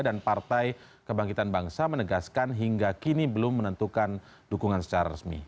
dan partai kebangkitan bangsa menegaskan hingga kini belum menentukan dukungan secara resmi